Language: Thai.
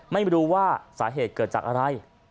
ไม่รู้ว่าสาเหตุเกิดจากอะไร